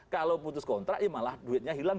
kalau putus kontrak ya malah duitnya hilang